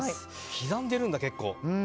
刻んでるんだ、結構。